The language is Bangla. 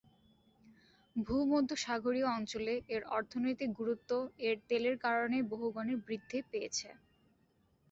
ভূমধ্যসাগরীয় অঞ্চলে এর অর্থনৈতিক গুরুত্ব এর তেলের কারণে বহুগুণে বৃদ্ধি পেয়েছে।